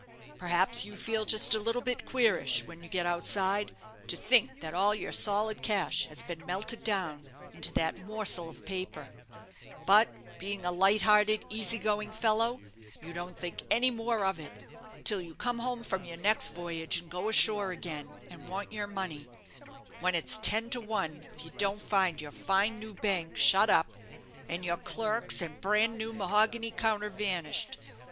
Perhaps you feel just a little bit queerish, when you get outside, to think that all your solid cash has been melted down into that morsel of paper; but being a light hearted, easy going fellow, you don't think any more of it, till you come home from your next voyage, and go ashore again, and want your money; when it's ten to one if you don't find your fine new bank shut up, and your clerks and bran new mahogany counter vanished.